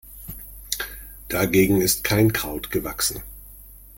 Dagegen ist kein Kraut gewachsen.